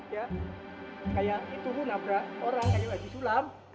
ya kayak itu tuh nabrak orang kaya wajih sulam